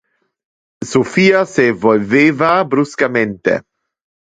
Sophia se volveva bruscamente.